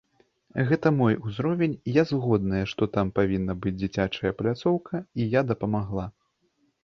Гэта мой узровень, я згодная, што там павінна быць дзіцячая пляцоўка, і я дапамагла.